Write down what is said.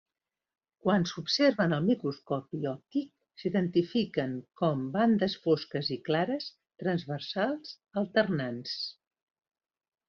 Quan s'observen al microscopi òptic s'identifiquen com bandes fosques i clares transversals alternants.